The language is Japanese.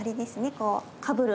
こうかぶる。